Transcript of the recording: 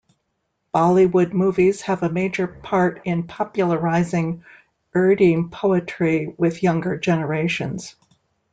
Bollywood movies have a major part in popularising Urdu poetry with younger generations.